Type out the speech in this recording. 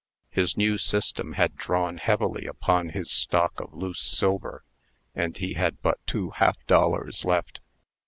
His new system had drawn heavily upon his stock of loose silver, and he had but two half dollars left.